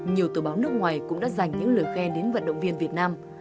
nhiều tờ báo nước ngoài cũng đã dành những lời khen đến vận động viên việt nam